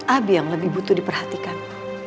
abi yang lebih butuh diperhatikan